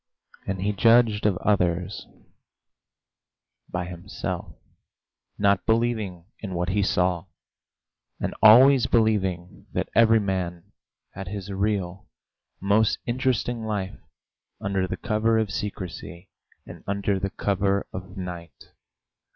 And he judged of others by himself, not believing in what he saw, and always believing that every man had his real, most interesting life under the cover of secrecy and under the cover of night.